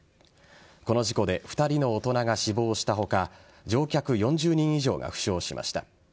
この事故で２人の大人が死亡した他乗客４０人以上が負傷しました。